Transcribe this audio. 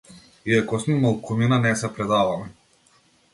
Иако сме малкумина не се предаваме.